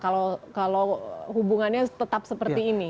kalau hubungannya tetap seperti ini